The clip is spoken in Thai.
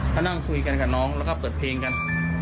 ก็นั่งคุยกันกับน้องแล้วก็เปิดเพลงกัน